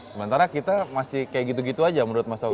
sementara kita masih kayak gitu gitu aja menurut mas awi